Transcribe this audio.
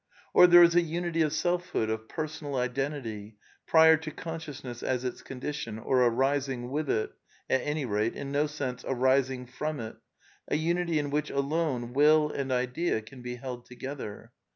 Or there is a unity of selfhood, of personal identity, prior to consciousness as its condition, or arising with it, at any rate, in no sense arising from it, a unity in which alone Will and Idea can be held together.